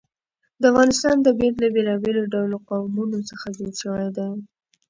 د افغانستان طبیعت له بېلابېلو ډولو قومونه څخه جوړ شوی دی.